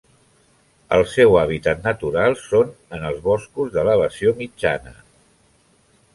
El seu hàbitat natural són en els boscos d'elevació mitjana.